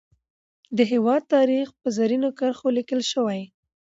د هیواد تاریخ په زرینو کرښو لیکل شوی.